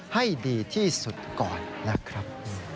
ให้ดีที่สุดก่อนนะครับ